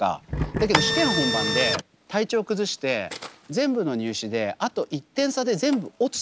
だけど試験本番で体調崩して全部の入試であと１点差で全部落ちてたとします。